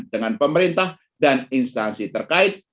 dengan pemerintah dan instansi terkait